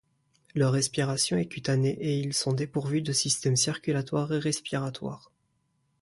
Leur respiration est cutanée et ils sont dépourvus de systèmes circulatoire et respiratoire.